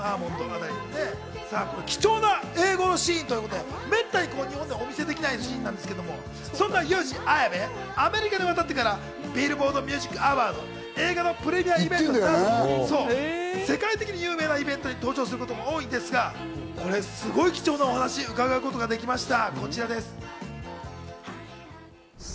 貴重な英語のシーンということで、めったに日本でお見せできないシーンなんですけれども、そんなユウジ・アヤベ、アメリカで渡ってから、ビルボード・ミュージック・アワード、映画のプレミアイベントなど世界的に有名なイベントに登場することも多いんですが、これすごい貴重なお話を伺うことができました。